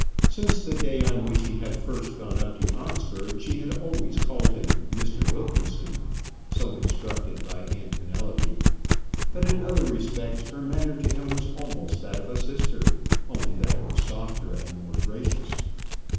Since the day on which he had first gone up to Oxford, she had always called him "Mr. Wilkinson" so instructed by Aunt Penelope; but in other respects her manner to him was almost that of a sister, only that it was softer, and more gracious.